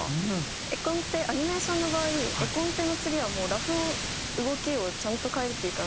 絵コンテアニメーションの場合絵コンテの次はもうラフ動きをちゃんと描いていかないといけないんで。